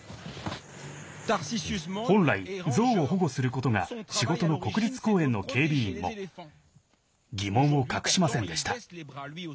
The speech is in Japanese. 本来、ゾウを保護することが仕事の国立公園の警備員も疑問を隠しませんでした。